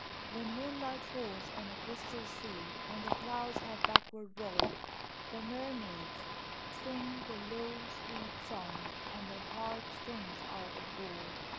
When moonlight falls on a crystal sea, When the clouds have backward rolled, The mermaids sing their low sweet songs, And their harp strings are of gold.